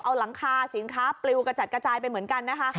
เอาหลังคาสินค้าปลิวกระจัดกระจายไปเหมือนกันนะคะ